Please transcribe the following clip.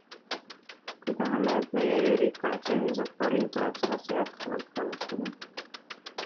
Kui tahame, et meie e-riik oleks endiselt parim, tuleb sellesse jätkuvalt panustada.